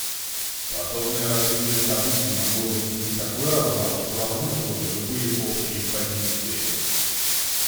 Подобное развитие событий могло бы внести такой разлад, что разрушило бы любые общие позиции.